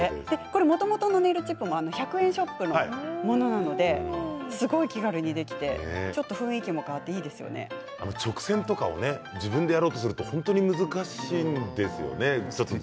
もともとのネイルチップも１００円ショップのものなのですごい気軽にできて直線とかを自分でやろうと思うと難しいんですよね。